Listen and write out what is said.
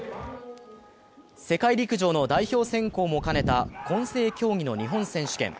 世界陸上の代表選考も兼ねた混成競技の日本選手権。